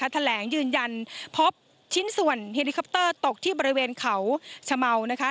แถลงยืนยันพบชิ้นส่วนเฮลิคอปเตอร์ตกที่บริเวณเขาชะเมานะคะ